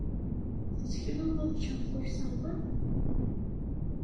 Tettekleḍ ad ččeɣ tursaḍ-a?